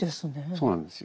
そうなんですよ。